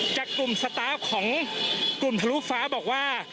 จากกลุ่มสตาฟของกลุ่มทะลุฟ้าบอกว่า